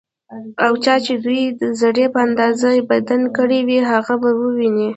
او چا چې ديوې ذرې په اندازه بدي کړي وي، هغه به وويني